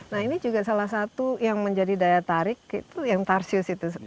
nah ini juga salah satu yang menjadi daya tarik itu yang tarsius itu